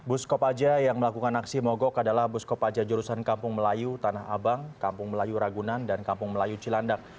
bus kopaja yang melakukan aksi mogok adalah bus kopaja jurusan kampung melayu tanah abang kampung melayu ragunan dan kampung melayu cilandak